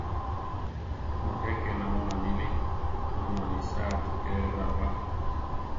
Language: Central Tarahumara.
Mujé ke namó aníli; má mu anisáati ke laro ba.